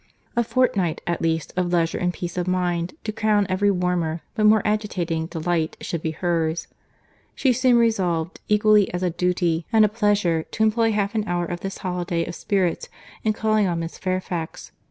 —A fortnight, at least, of leisure and peace of mind, to crown every warmer, but more agitating, delight, should be hers. She soon resolved, equally as a duty and a pleasure, to employ half an hour of this holiday of spirits in calling on Miss Fairfax.